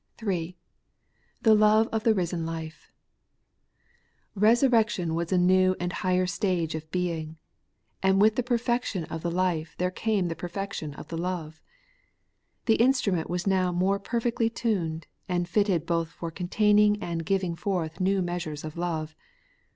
3. The love of the risen life, Eesurrection was a new and higher stage of being ; and with the per fection of the life, there came the perfection of the love. The instrument was now more perfectly tuned, and fitted both for containing and giving forth new measures of love.